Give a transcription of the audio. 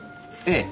ええ。